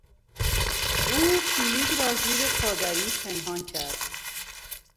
او کلید را زیر پادری پنهان کرد.